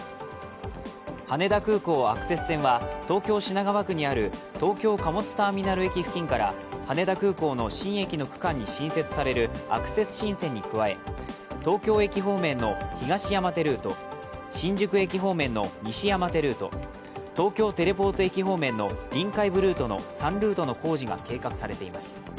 羽田空港アクセス線は東京・品川区にある東京貨物ターミナル駅付近から羽田空港の新駅の区間に新設されるアクセス新線に加え東京駅方面の東山手ルート、新宿駅方面の西山手ルート、東京テレポート駅方面の臨海部ルートの３ルートの工事が計画されています。